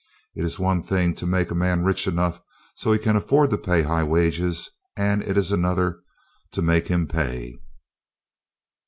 It is one thing to make a man rich enough so he can afford to pay high wages; it is another thing to make him pay.